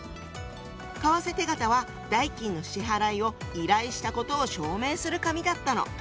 為替手形は代金の支払いを依頼したことを証明する紙だったの。